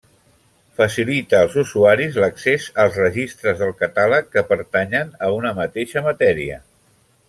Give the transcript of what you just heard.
Facilita als usuaris l'accés als registres del catàleg que pertanyen a una mateixa matèria.